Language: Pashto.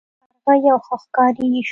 کارغه یو ښه ښکاري شو.